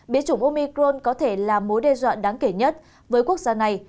bế chủng omicron có thể là mối đe dọa đáng kể nhất với quốc gia này